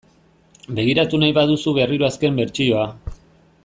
Begiratu nahi baduzu berriro azken bertsioa .